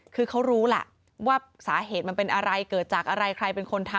คือเขารู้แหละว่าสาเหตุมันเป็นอะไรเกิดจากอะไรใครเป็นคนทำ